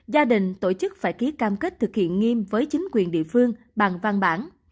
gia đình tổ chức phải ký cam kết thực hiện nghiêm với chính quyền địa phương bằng văn bản